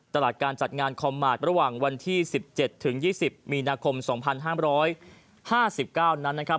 ตลาดการจัดงานคอมมาร์ทระหว่างวันที่๑๗๒๐มีนาคม๒๕๕๙นั้นนะครับ